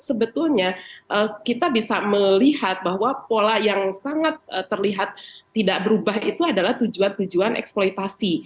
sebetulnya kita bisa melihat bahwa pola yang sangat terlihat tidak berubah itu adalah tujuan tujuan eksploitasi